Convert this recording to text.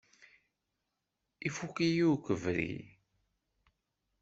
Ifukk-iyi ukebri.